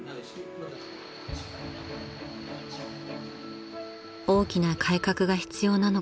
［大きな改革が必要なのか］